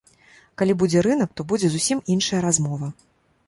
Калі будзе рынак, то будзе зусім іншая размова.